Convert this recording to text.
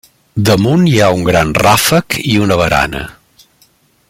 Damunt hi ha un gran ràfec i una barana.